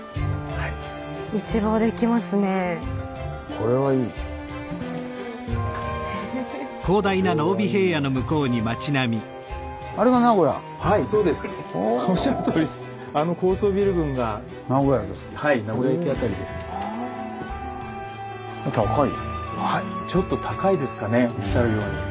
はいちょっと高いですかねおっしゃるように。